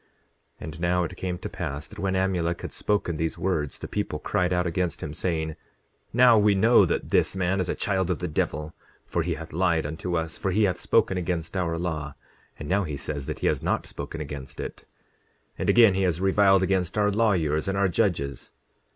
10:28 And now it came to pass that when Amulek had spoken these words the people cried out against him, saying: Now we know that this man is a child of the devil, for he hath lied unto us; for he hath spoken against our law. And now he says that he has not spoken against it. 10:29 And again, he has reviled against our lawyers, and our judges.